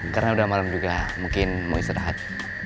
karena udah malam juga mungkin mau istirahat